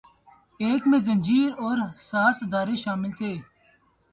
ایک میں رینجرز اور حساس ادارے شامل تھے